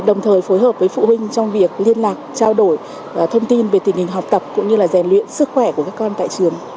đồng thời phối hợp với phụ huynh trong việc liên lạc trao đổi thông tin về tình hình học tập cũng như là rèn luyện sức khỏe của các con tại trường